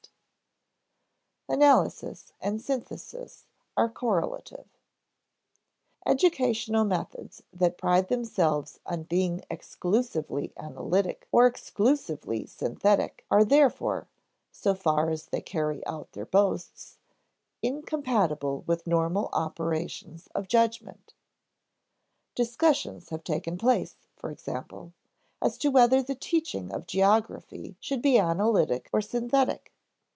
[Sidenote: Analysis and synthesis are correlative] Educational methods that pride themselves on being exclusively analytic or exclusively synthetic are therefore (so far as they carry out their boasts) incompatible with normal operations of judgment. Discussions have taken place, for example, as to whether the teaching of geography should be analytic or synthetic.